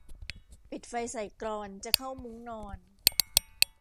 ปิดไฟใส่กลอน จะเข้ามุ้งนอน